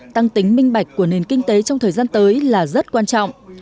tăng tính minh bạch của nền kinh tế trong thời gian tới là rất quan trọng